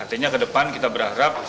artinya ke depan kita berharap